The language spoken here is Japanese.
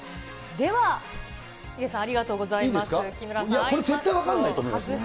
では、ヒデさん、ありがとうございます。